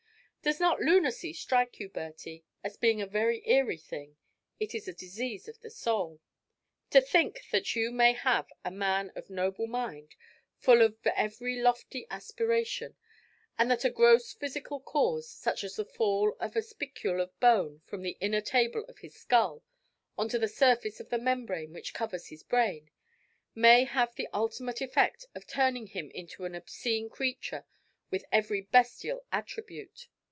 Does not lunacy strike you, Bertie, as being a very eerie thing? It is a disease of the soul. To think that you may have a man of noble mind, full of every lofty aspiration, and that a gross physical cause, such as the fall of a spicule of bone from the inner table of his skull on to the surface of the membrane which covers his brain, may have the ultimate effect of turning him into an obscene creature with every bestial attribute!